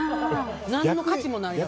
何の価値もないから。